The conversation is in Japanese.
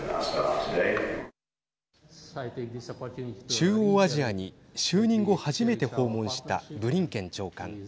中央アジアに就任後初めて訪問したブリンケン長官。